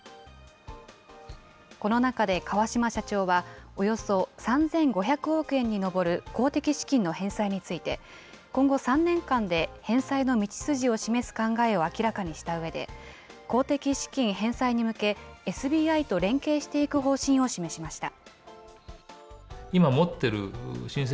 この中で川島社長は、およそ３５００億円に上る公的資金の返済について、今後３年間で返済の道筋を示す考えを明らかにしたうえで、公的資金返済に向け、ＳＢＩと連携していく方針を示しました。